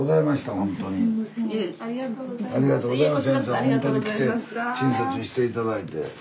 ほんとに来て親切にして頂いて。